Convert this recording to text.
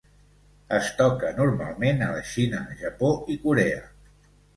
Es toca normalment a la Xina, Japó i Corea.